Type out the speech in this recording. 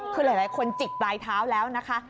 คือหลายคนจิกปลายเท้าแล้วนะคะ